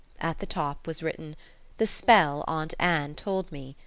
At the top was written: "The Spell Aunt Anne Told Me.